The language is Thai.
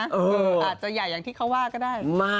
อาจจะใหญ่อย่างที่เขาว่าก็ได้